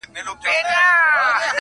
دا زړه کیسه راپاته له پلرو ده-